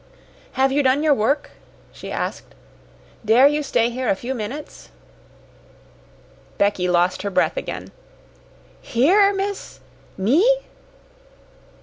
"Have you done your work?" she asked. "Dare you stay here a few minutes?" Becky lost her breath again. "Here, miss? Me?"